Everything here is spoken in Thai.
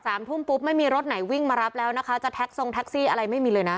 สามทุ่มปุ๊บไม่มีรถไหนวิ่งมารับแล้วนะคะจะแท็กทรงแท็กซี่อะไรไม่มีเลยนะ